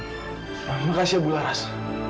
terima kasih ibu laras